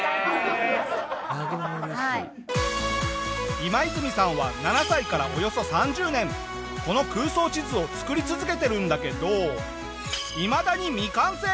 イマイズミさんは７歳からおよそ３０年この空想地図を作り続けてるんだけどいまだに未完成。